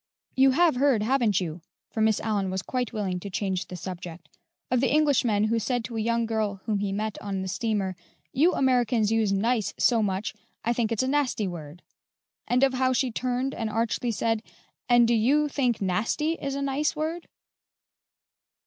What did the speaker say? You have heard, haven't you" for Miss Aliyn was quite willing to change the subject "of the Englishman who said to a young girl whom he met on the steamer, 'You Americans use nice so much, I think it's a nasty word;' and of how she turned and archly said, 'And do you think nasty is a nice word?'"